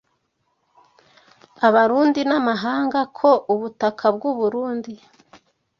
Abarundi n’amahanga ko ubutaka bw’u Burundi